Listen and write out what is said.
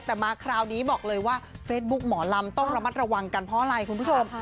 แต่มาคราวนี้บอกเลยว่าเฟซบุ๊กหมอลำต้องระมัดระวังกันเพราะอะไรคุณผู้ชม